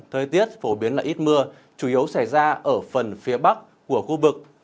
thời tiết phổ biến là ít mưa chủ yếu xảy ra ở phần phía bắc của khu vực